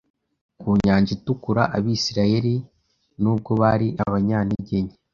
Ku Nyanja itukura, Abisirayeli nubwo bari abanyantege nke